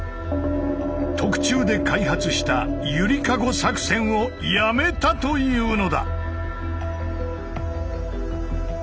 特注で開発した「ゆりかご作戦」をやめたというのだ！